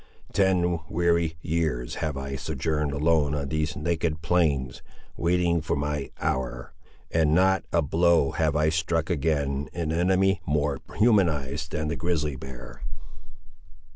Ten weary years have I sojourned alone on these naked plains, waiting for my hour, and not a blow have I struck ag'in an enemy more humanised than the grizzly bear."